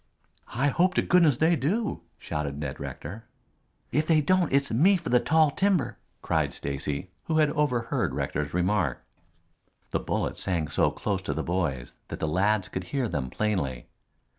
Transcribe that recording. "I hope to goodness they do," shouted Ned Rector. "If they don't it's me for the tall timber," cried Stacy, who had overheard Rector's remark. The bullets sang so close to the boys that the lads could hear them plainly.